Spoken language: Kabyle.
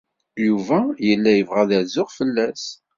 Yuba yella yebɣa ad rzuɣ fell-as.